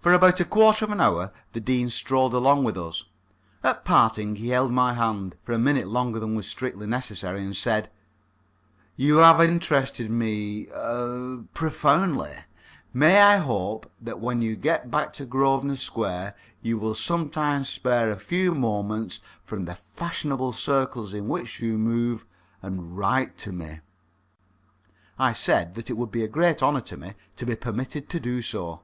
For about a quarter of an hour the Dean strolled along with us. At parting, he held my hand for a minute longer than was strictly necessary and said: "You have interested me er profoundly. May I hope that when you get back to Grosvenor Square, you will sometimes spare a few moments from the fashionable circles in which you move, and write to me?" I said that it would be a great honour to me to be permitted to do so.